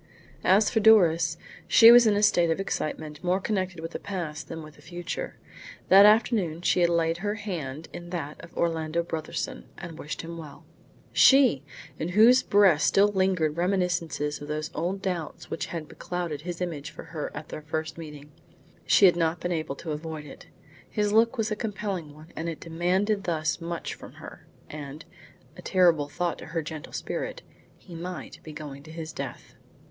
As for Doris, she was in a state of excitement more connected with the past than with the future. That afternoon she had laid her hand in that of Orlando Brotherson, and wished him well. She! in whose breast still lingered reminiscences of those old doubts which had beclouded his image for her at their first meeting. She had not been able to avoid it. His look was a compelling one, and it had demanded thus much from her; and a terrible thought to her gentle spirit he might be going to his death!